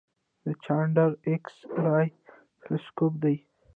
د چانډرا ایکس رې تلسکوپ دی.